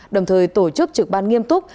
đồng thời tổ chức trực ban nghiêm túc